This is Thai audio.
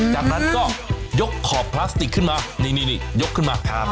จากนั้นก็ยกขอบพลาสติกขึ้นมานี่ยกขึ้นมา